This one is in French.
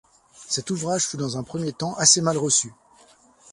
Cet ouvrage fut dans un premier temps assez mal reçu.